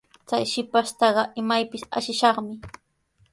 Chay shipashtaqa imaypis ashishaqmi.